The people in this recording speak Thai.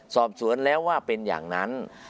สอบสวนแล้วว่าเป็นอย่างนั้น